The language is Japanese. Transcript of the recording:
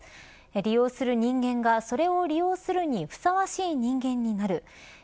利用する人間がそれを利用するにふさわしい人間になる。